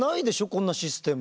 こんなシステム。